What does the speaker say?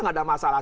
nggak ada masalah